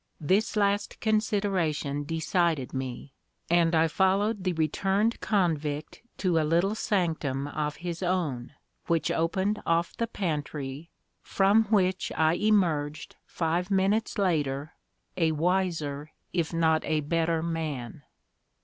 This last consideration decided me, and I followed the returned convict to a little sanctum of his own, which opened off the pantry, from which I emerged five minutes later a wiser if not a better man.